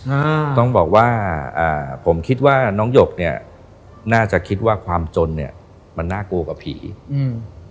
อ่าต้องบอกว่าอ่าผมคิดว่าน้องหยกเนี้ยน่าจะคิดว่าความจนเนี้ยมันน่ากลัวกว่าผีอืม